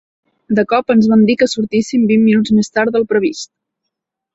De cop ens van dir que sortíssim vint minuts més tard del previst.